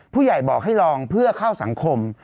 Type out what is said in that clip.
ผู้ใหญ่บอกให้ลองเพื่อเข้าสังคม